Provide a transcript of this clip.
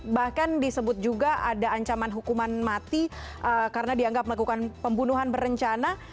bahkan disebut juga ada ancaman hukuman mati karena dianggap melakukan pembunuhan berencana